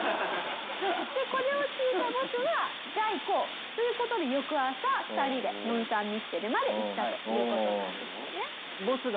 これを聞いたボスは「じゃあ行こう」という事で翌朝２人でモン・サン・ミッシェルまで行ったという事なんですよね。